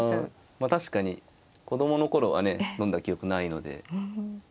まあ確かに子供の頃はね飲んだ記憶ないので。